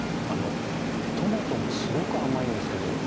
あのトマトがすごく甘いんですけど。